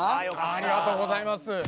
ありがとうございます。